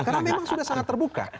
karena memang sudah sangat terbuka